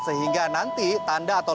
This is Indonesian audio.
sehingga nanti tanda atau